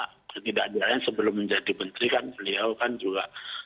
ketidakjalan sebelum menjadi menteri kan beliau kan juga